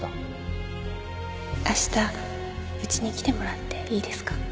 あしたうちに来てもらっていいですか？